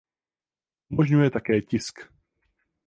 Umožňuje také tisk.